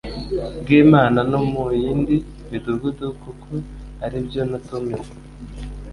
bw'Imana no mu yindi midugudu kuko ari byo natumiwe".